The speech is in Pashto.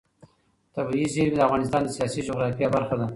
طبیعي زیرمې د افغانستان د سیاسي جغرافیه برخه ده.